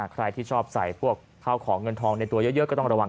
ใครที่ชอบใส่เข้าของเงินทองในตัวเยอะ